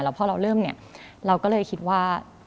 พอเราเริ่มเนี่ยเราก็เลยคิดว่า